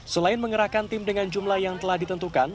selain mengerahkan tim dengan jumlah yang telah ditentukan